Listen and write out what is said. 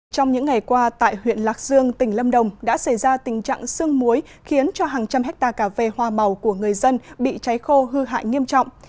trong những ngày qua tại huyện lạc dương tỉnh lâm đồng đã xảy ra tình trạng sương muối khiến cho hàng trăm hectare cà phê hoa màu của người dân bị cháy khô hư hại nghiêm trọng